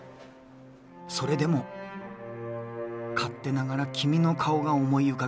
それでも勝手ながら君の顔が思い浮かびました」。